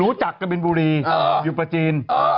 จากกะบินบุรีอยู่ประจีน